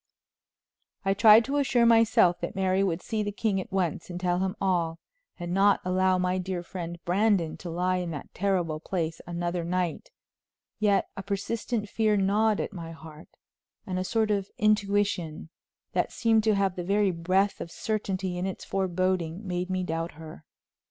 I tried to assure myself that Mary would see the king at once and tell him all, and not allow my dear friend Brandon to lie in that terrible place another night; yet a persistent fear gnawed at my heart, and a sort of intuition, that seemed to have the very breath of certainty in its foreboding, made me doubt her.